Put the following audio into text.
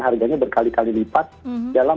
harganya berkali kali lipat dalam